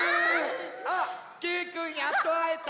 あっけいくんやっとあえた！